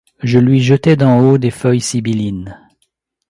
Je lui jetais d'en haut des feuilles sibyllines ;